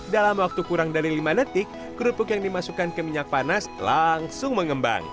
dalam waktu kurang dari lima detik kerupuk yang dimasukkan ke minyak panas langsung mengembang